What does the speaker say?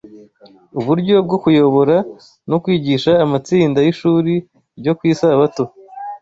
uburyo bwo kuyobora no kwigisha amatsinda y’Ishuri ryo ku Isabato,